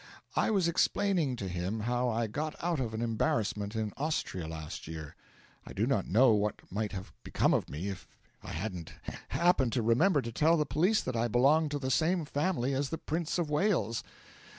I was explaining to him how I got out of an embarrassment in Austria last year. I do not know what might have become of me if I hadn't happened to remember to tell the police that I belonged to the same family as the Prince of Wales.